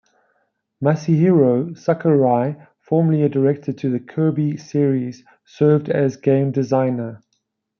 Masahiro Sakurai, formerly a director to the "Kirby" series, served as game designer.